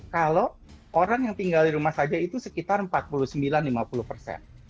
kalau orang yang tinggal di rumah saja itu sekitar empat puluh sembilan lima puluh persen